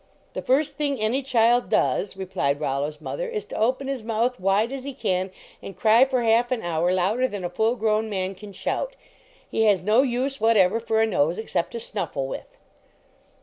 "The first thing any child does," replied Rollo s mother, "is to open his mouth wide as he can, and cry for half an hour louder than a full grown man can shout. He has no use whatever for a nose except to snuffle with."